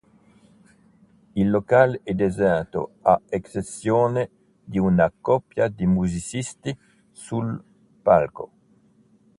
Il locale è deserto a eccezione di una coppia di musicisti sul palco.